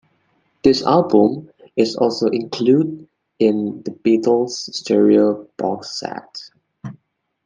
This album is also included in "The Beatles Stereo Box Set".